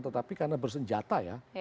tetapi karena bersenjata ya